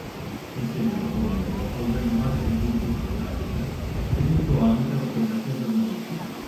In seguito Comerio oltre ai normali servizi fotografici, si dedicò anche alla fotografia giornalistica.